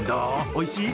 おいしい？